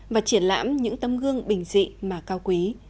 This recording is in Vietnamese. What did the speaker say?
và triển lãm những tấm gương bình dị mà cao quý